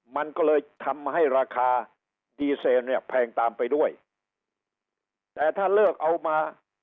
มันก็เลยทำให้ราคาดีเซลเนี่ยแพงตามไปด้วยแต่ถ้าเลิกเอามา